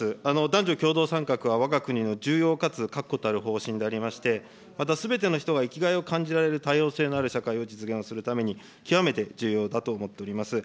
男女共同参画は、わが国の重要かつ確固たる方針でありまして、またすべての人が生きがいを感じられる多様性のある社会を実現をするために、極めて重要だと思っております。